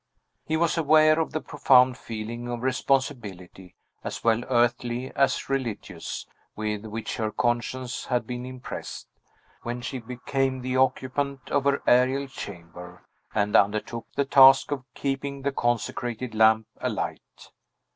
He was aware of the profound feeling of responsibility, as well earthly as religious, with which her conscience had been impressed, when she became the occupant of her aerial chamber, and undertook the task of keeping the consecrated lamp alight.